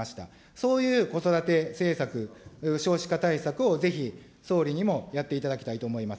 そういう子育て政策、少子化対策を、ぜひ総理にもやっていただきたいと思います。